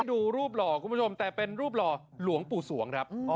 ดูรูปหล่อคุณผู้ชมแต่เป็นรูปหล่อหลวงปู่สวงครับ